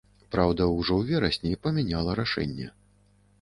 Праўда, ужо ў верасні памяняла рашэнне.